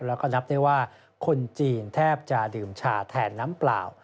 แล้วก็นับได้ว่าคนจีนแทบจะดื่มชาแทนน้ำเปล่า